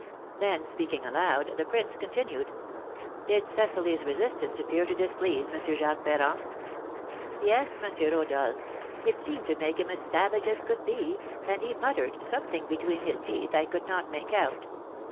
Then, speaking aloud, the prince continued, "Did Cecily's resistance appear to displease M. Jacques Ferrand?" "Yes, M. Rodolph, it seemed to make him as savage as could be, and he muttered something between his teeth I could not make out.